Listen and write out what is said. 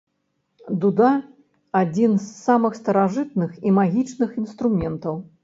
Дуда адзін з самых старажытных і магічных інструментаў.